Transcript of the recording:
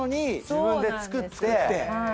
自分で作って。